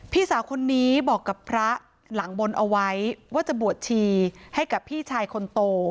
พี่สาวคนนี้บอกกับพระหลังบนเอาไว้ว่าจะบวชชีให้กับพี่ชายคนโต